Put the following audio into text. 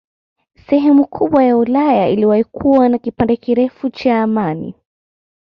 Sehemu kubwa ya Ulaya iliwahi kuwa na kipindi kirefu cha amani